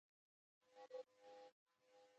پانګوال له اضافي ارزښت پیسې د لګښت لپاره اخلي